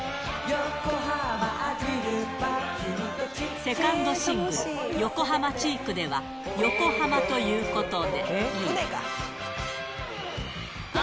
セカンドシングル、ヨコハマ・チークでは、横浜ということで。